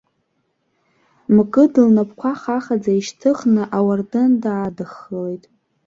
Мкыд, лнапқәа хахаӡа ишьҭыхны, ауардын даадххылеит.